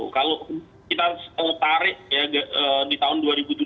kalau kita tarik ya di tahun dua ribu tujuh belas